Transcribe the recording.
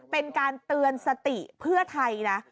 เป็นการเตือนสติเพื่อไทยนะ